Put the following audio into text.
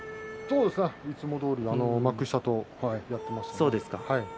いつもどおり幕下とやっていました。